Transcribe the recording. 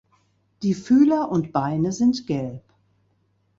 Die Fühler und Beine sind gelb.